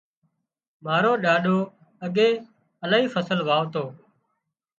امارو ڏاڏو اڳي الاهي فصل واوتو